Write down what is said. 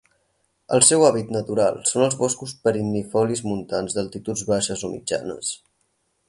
El seu hàbitat natural són els boscos perennifolis montans d'altituds baixes o mitjanes.